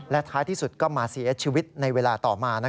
และท้ายที่สุดก็มาเสียชีวิตในเวลาต่อมา